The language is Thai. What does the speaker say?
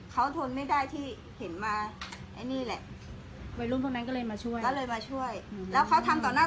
เขาไม่ได้ว่าทำรับหลัง